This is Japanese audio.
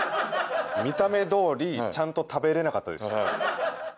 見た目どおりちゃんと食べれなかったです。